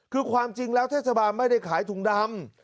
คือความจริงแล้วเทศบาลไม่ได้ขายถุงดำ